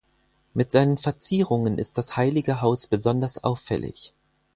Mit seinen Verzierungen ist das Heilige Haus besonders auffällig.